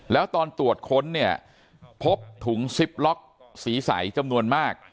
แล้วตอนตรวจค้นเนี่ยพบถุงซิปล็อกสีใสจำนวนมาก